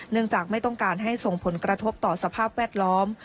จากไม่ต้องการให้ส่งผลกระทบต่อสภาพแวดล้อม